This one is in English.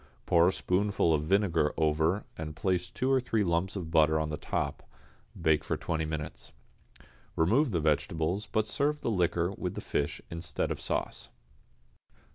Pour a spoonful of vinegar over, and place two or three lumps of butter on the top; bake for twenty minutes. Remove the vegetables, but serve the liquor with the fish instead of sauce.